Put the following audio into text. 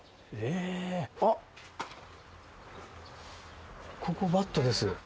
あっ、ここバットです。